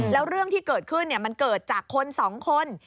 แล้วเรื่องที่เกิดขึ้นมันเกิดจากคนสองคน